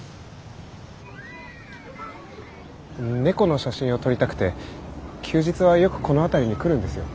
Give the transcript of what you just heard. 猫の写真を撮りたくて休日はよくこの辺りに来るんですよ。